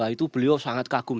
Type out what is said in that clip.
itu beliau sangat kagum